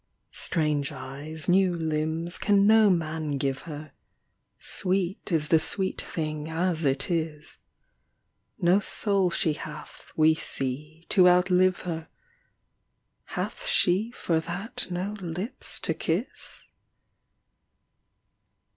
Strange eyes, new limbs, can no man give her; Sweet is the sweet thing as it is. No soul she hath, we see, to outlive her; Hath she for that no lips to kiss?